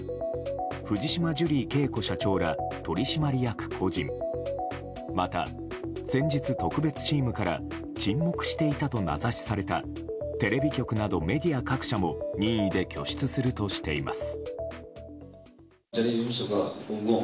藤島ジュリー景子社長ら取締役個人また先日、特別チームから沈黙していたと名指しされたテレビ局などメディア各社も任意で拠出するとしています。